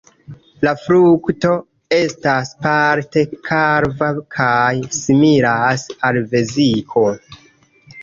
La frukto estas parte kalva kaj similas al veziko.